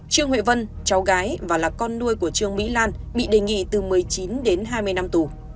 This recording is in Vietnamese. trương huệ vân cháu gái và là con nuôi của trương mỹ lan bị đề nghị từ một mươi chín đến hai mươi năm tù